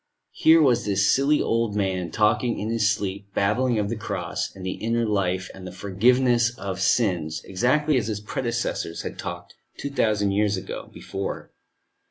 Here was this silly old man, talking in his sleep, babbling of the Cross, and the inner life and the forgiveness of sins, exactly as his predecessors had talked two thousand years before.